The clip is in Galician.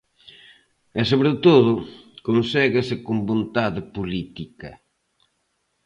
E, sobre todo, conséguese con vontade política.